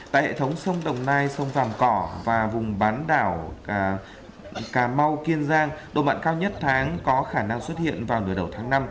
tại hệ thống sông đồng nai sông vàm cỏ và vùng bán đảo cà mau kiên giang độ mặn cao nhất tháng có khả năng xuất hiện vào nửa đầu tháng năm